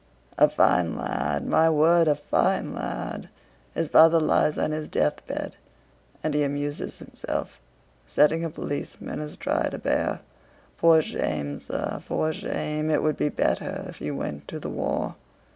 "A fine lad! My word! A fine lad!... His father lies on his deathbed and he amuses himself setting a policeman astride a bear! For shame, sir, for shame! It would be better if you went to the war."